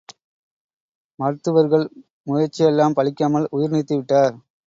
மருத்துவர்கள் முயற்சியெல்லாம் பலிக்காமல் உயிர் நீத்துவிட்டார்.